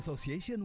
di asosiasi dengan